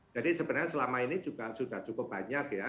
jadi sebenarnya selama ini juga sudah cukup banyak ya